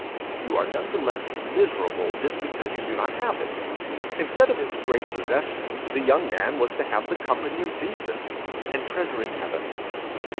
'You are none the less miserable just because you do not have it. Instead of his great possessions the young man was to have the company of Jesus, and treasure in heaven.